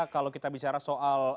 kalau kita bicara soal